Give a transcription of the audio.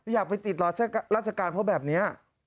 อยากไปติดราชการเพราะแบบนี้